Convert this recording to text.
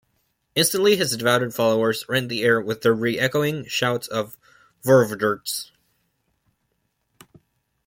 Instantly his devoted followers rent the air with their re-echoing shouts of "Vorwdrts!".